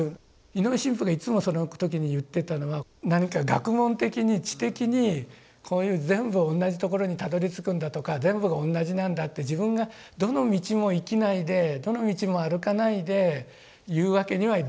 井上神父がいつもその時に言ってたのは何か学問的に知的にこういう全部同じところにたどりつくんだとか全部が同じなんだって自分がどの道も生きないでどの道も歩かないでいうわけにはできない。